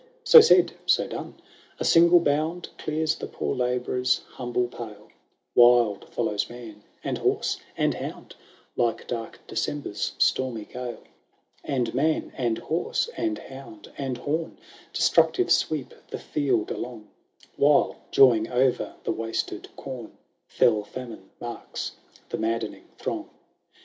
" xx So said, so done :— A single bound Clears the poor labourer's humble pale ; "Wild follows man, and horse, and hound, Like dark December's stormy gale. XXI And man, and horse, and hound, and horn, Destructive sweep the field along; "While, joying o'er the wasted corn, Fell Famine marks the maddening throng.